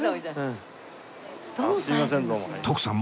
すいませんどうも。